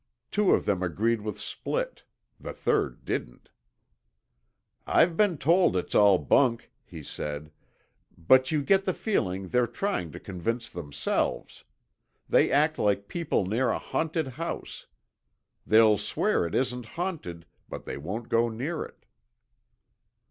Two of them agreed with Splitt. The third didn't. "I've been told it's all bunk," he said, "but you get the feeling they've trying to convince themselves. They act like people near a haunted house. They'll swear it isn't haunted—but they won't go near it."